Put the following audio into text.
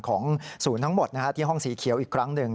ของศูนย์ทั้งหมดที่ห้องสีเขียวอีกครั้งหนึ่ง